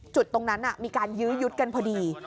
จุดตรงนั้นมีการยื้อยุดกันพอดี